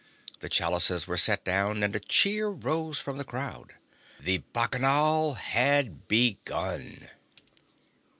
The chalices were set down, and a cheer rose from the crowd. The Bacchanal had begun!